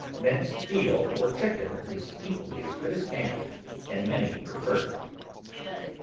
Minced veal or chicken is equally as good as ham, and many pre fer it.